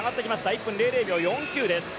１分００秒４９です。